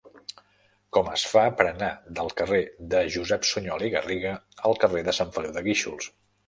Com es fa per anar del carrer de Josep Sunyol i Garriga al carrer de Sant Feliu de Guíxols?